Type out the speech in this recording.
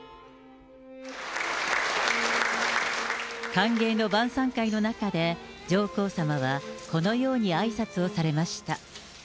歓迎の晩さん会の中で、上皇さまは、このようにあいさつをされました。